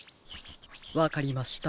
わかりました。